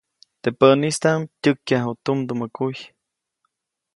Teʼ päʼnistaʼm tyäkyaju tumdumä kuy.